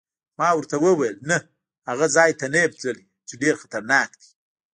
ما ورته وویل: نه، هغه ځای ته نه یم تللی چې ډېر خطرناک دی.